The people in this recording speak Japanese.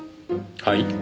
はい？